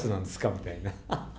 みたいな。